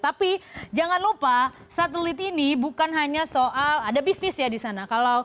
tapi jangan lupa satelit ini bukan hanya soal ada bisnis ya di sana